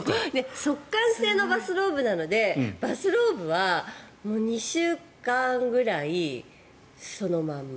速乾性のバスローブなのでバスローブは２週間ぐらいそのまま。